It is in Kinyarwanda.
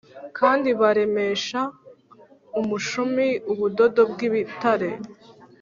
Kandi baremesha umushumi ubudodo bw ibitare